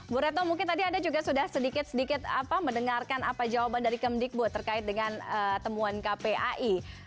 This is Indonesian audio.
bu retno mungkin tadi anda juga sudah sedikit sedikit mendengarkan apa jawaban dari kemdikbud terkait dengan temuan kpai